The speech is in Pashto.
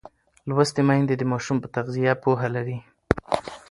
لوستې میندې د ماشوم پر تغذیه پوهه لري.